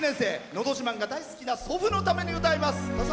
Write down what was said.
「のど自慢」が大好きな祖父のために歌います。